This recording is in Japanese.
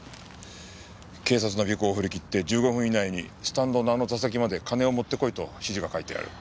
警察の尾行をふりきって１５分以内にスタンドのあの座席まで金を持ってこいと指示が書いてある。